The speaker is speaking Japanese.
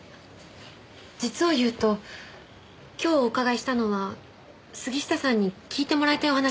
実を言うと今日お伺いしたのは杉下さんに聞いてもらいたいお話があって。